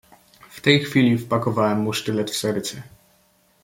"W tej chwili wpakowałem mu sztylet w serce."